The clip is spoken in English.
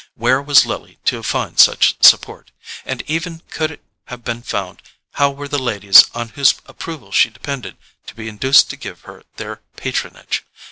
Where was Lily to find such support? And even could it have been found, how were the ladies on whose approval she depended to be induced to give her their patronage?